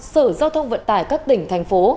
sở giao thông vận tải các tỉnh thành phố